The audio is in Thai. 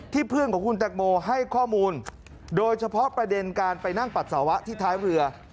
เพื่อนของคุณแตงโมให้ข้อมูลโดยเฉพาะประเด็นการไปนั่งปัสสาวะที่ท้ายเรือ